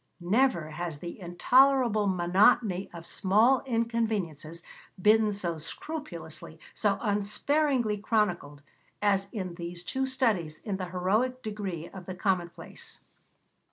Never has the intolerable monotony of small inconveniences been so scrupulously, so unsparingly chronicled, as in these two studies in the heroic degree of the commonplace.